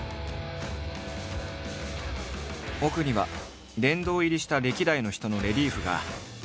奥には殿堂入りした歴代の人のレリーフがずらりと並んでいる。